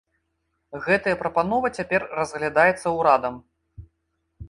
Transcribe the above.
Гэтая прапанова цяпер разглядаецца ўрадам.